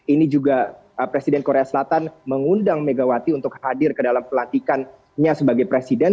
ini juga presiden korea selatan mengundang megawati untuk hadir ke dalam pelantikannya sebagai presiden